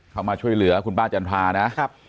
เข้ามาช่วยเหลือคุณป้าจันทรานะครับ